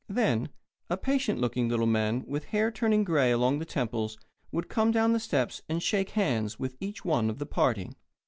Then a patient looking little man with hair turning gray along the temples would come down the steps and shake hands with each one of the party.